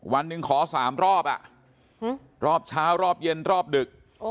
วันหนึ่งขอ๓รอบรอบเช้ารอบเย็นรอบดึก